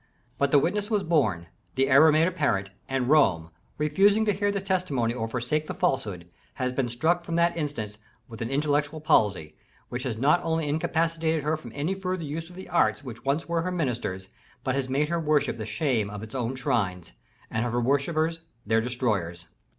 But the witness was borne the error made apparent; and Rome, refusing to hear the testimony or forsake the falsehood, has been struck from that instant with an intellectual palsy, which has not only incapacitated her from any further use of the arts which once were her ministers, but has made her worship the shame of its own shrines, and her worshippers their destroyers.